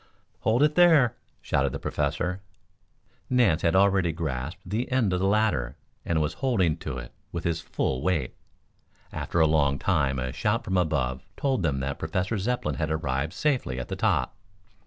"Hold it there!" shouted the Professor. Nance had already grasped the end of the ladder and was holding to it with his full weight. After a long time a shout from above told them that Professor Zepplin had arrived safely at the top.